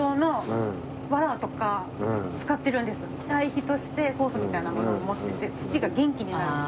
堆肥として酵素みたいなものを持ってて土が元気になる。